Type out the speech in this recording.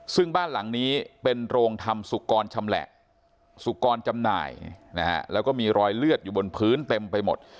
ซึ่งบ้านหลังนี้เป็นโรงทำสุกรชำแหละสุกรจำหน่ายนะฮะแล้วก็มีรอยเลือดอยู่บนพื้นเต็มไปหมด